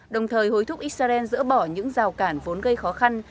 đồng thời hối thúc israel dỡ bỏ những rào cản vốn gây khó khăn